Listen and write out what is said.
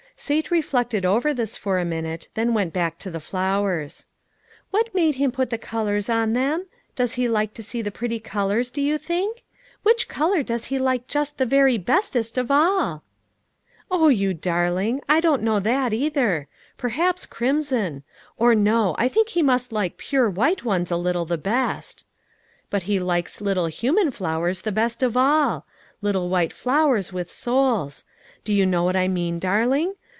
Sate reflected over this for a minute, then went back to the flowers. "What made Him put the colors on them? Does He like to see pretty colors, do you sink? Which color does He like just the very bestest of all?" "O you darling! I don't know that, either. Perhaps, crimson ; or, no, I think He must like pure white ones a little the best. But He likes little human flowers the best of all. Little white flowers with souls. Do you know what I mean, darling